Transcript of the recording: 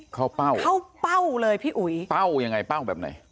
เป้าเข้าเป้าเลยพี่อุ๋ยเป้ายังไงเป้าแบบไหน